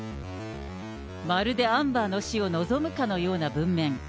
まるでアンバーの死を望むかのような文面。